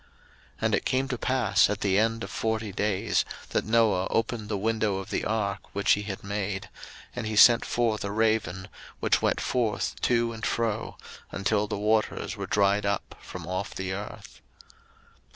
01:008:006 And it came to pass at the end of forty days, that Noah opened the window of the ark which he had made: 01:008:007 And he sent forth a raven, which went forth to and fro, until the waters were dried up from off the earth.